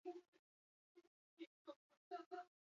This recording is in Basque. Esango dut zein dudan gustukoen.